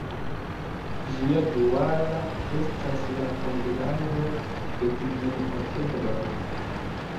Ĝia duala estas la kombinaĵo de kvin okedroj.